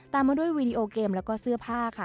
ตามมาด้วยวีดีโอเกมและเสื้อผ้าค่ะ